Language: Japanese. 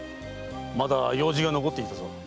まだ用事が残っていたぞ。